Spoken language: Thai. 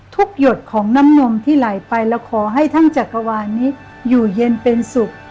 หยดของน้ำนมที่ไหลไปแล้วขอให้ทั้งจักรวาลนี้อยู่เย็นเป็นสุข